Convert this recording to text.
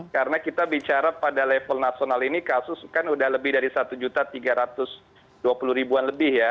karena kita bicara pada level nasional ini kasus kan sudah lebih dari satu tiga ratus dua puluh an lebih ya